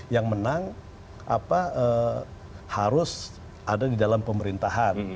yang menang harus ada di dalam pemerintahan